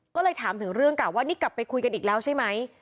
ก็เลยถามถึงเรื่องเก่าว่านี่กลับไปคุยกันอีกแล้วใช่ไหม